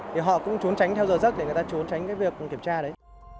thì họ cũng trốn tránh theo giờ rất để người ta trốn tránh việc kiểm tra đấy